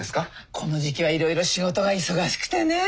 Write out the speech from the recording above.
この時期はいろいろ仕事が忙しくてねえ。